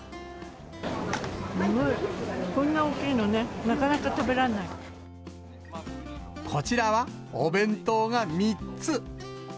すごい、こんな大きいのね、こちらは、お弁当が３つ。